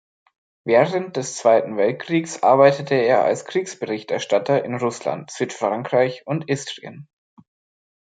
Während des Zweiten Weltkriegs arbeitete er als Kriegsberichterstatter in Russland, Südfrankreich und Istrien.